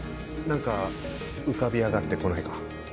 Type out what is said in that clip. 何か浮かび上がって来ないか？